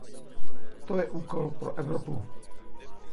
To je úkol pro Evropu.